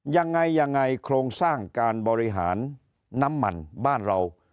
ยังไงยังไงโครงสร้างการบริหารน้ำมันบ้านเรา